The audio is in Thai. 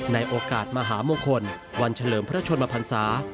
ในโอกาสมหามงคลวันเฉลิมพระชนมพันศา